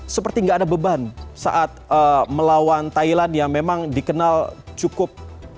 seperti nggak ada beban saat melawan thailand yang memang dikenal cukup